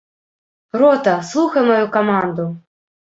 Рота, слухай маю каманду!